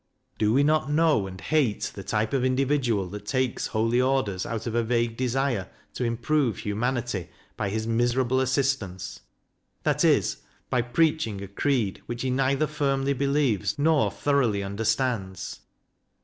Do we not know and hate the type of individual that takes Holy Orders out of a vague desire to improve humanity by his miserable assistance that is, by preaching a creed which he neither firmly believes nor thoroughly under stands?